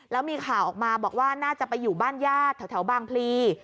แล้วมีข่าวออกมาบอกว่าน่าจะไปอยู่บ้านญาติแถวบางพลี